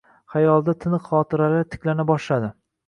Xayolida tiniq xotiralari tiklana boshladi.